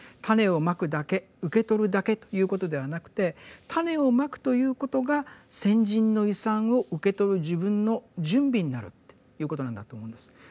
種を蒔くだけ受け取るだけということではなくて種を蒔くということが先人の遺産を受け取る自分の準備になるっていうことなんだと思うんです。